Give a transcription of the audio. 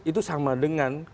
itu sama dengan terorisme